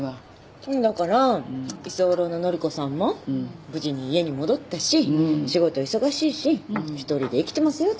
だから居候の典子さんも無事に家に戻ったし仕事忙しいし一人で生きてますよ。